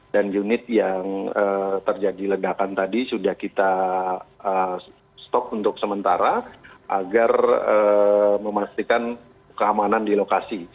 dan unit yang terjadi ledakan tadi sudah kita stop untuk sementara agar memastikan keamanan di lokasi